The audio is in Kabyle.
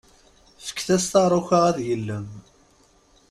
Fket-as taruka ad yellem.